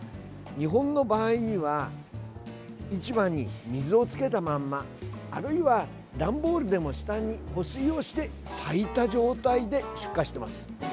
日本の場合には市場に水をつけたままあるいはダンボールでも下に保水をして咲いた状態で出荷しています。